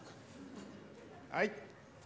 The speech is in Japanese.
はい。